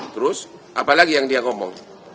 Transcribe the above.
terus apa lagi yang dia ngomong